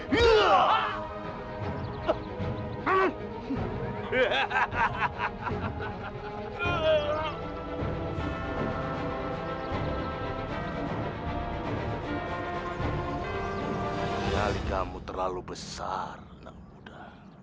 jali kamu terlalu besar nak buddha